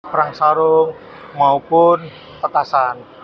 perang sarung maupun petasan